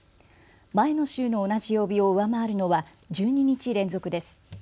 前の週の同じ曜日を上回るのは１２日連続です。